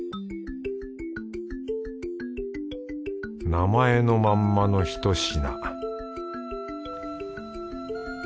名前のまんまのひと品